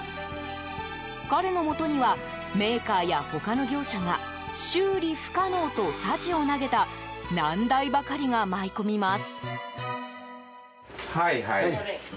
彼のもとにはメーカーや他の業者が修理不可能とさじを投げた難題ばかりが舞い込みます。